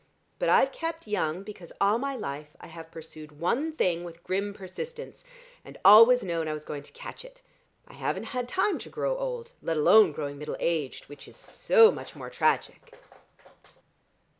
But I've kept young because all my life I have pursued one thing with grim persistence, and always known I was going to catch it. I haven't had time to grow old, let alone growing middle aged, which is so much more tragic!"